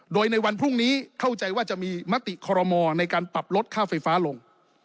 โดยในวันพรุ่งนี้เข้าใจว่าจะมีมติคอรมอในการปรับลดค่าไฟฟ้าลง